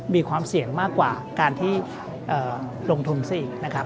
มีความเสี่ยงมากกว่าการที่ลงทุนซะอีกนะครับ